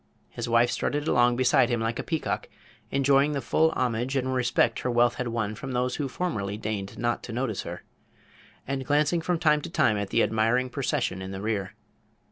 His wife strutted along beside him like a peacock, enjoying to the full the homage and respect her wealth had won from those who formerly deigned not to notice her, and glancing from time to time at the admiring procession in the rear.